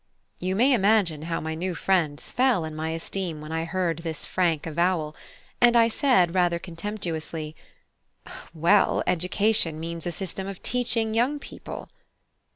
You may imagine how my new friends fell in my esteem when I heard this frank avowal; and I said, rather contemptuously, "Well, education means a system of teaching young people."